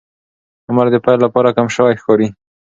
عمر د پیل لپاره کم شوی ښکاري.